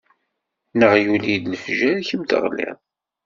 Neɣ yuli-d lefjer kemm teɣliḍ.